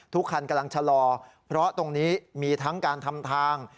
คันกำลังชะลอเพราะตรงนี้มีทั้งการทำทาง